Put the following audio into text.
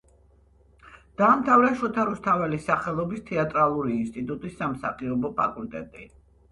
დაამთავრა შოთა რუსთაველის სახელობის თეატრალური ინსტიტუტის სამსახიობო ფაკულტეტი.